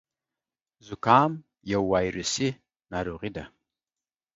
زکام يو وايرسي ناروغي ده.